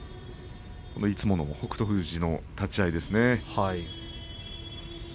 いつもの北勝富士の立ち合いですね。